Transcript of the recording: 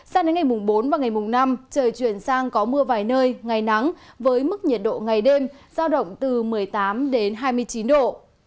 sao đến ngày mùng bốn và ngày mùng năm trời chuyển sang có mưa vài nơi ngày nắng với mức nhiệt độ ngày đêm giao động từ một mươi tám đến hai mươi chín độ